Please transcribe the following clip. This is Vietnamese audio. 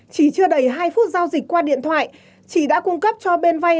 chỉ chưa đầy hai phút giao dịch qua điện thoại chị đã cung cấp cho bên vay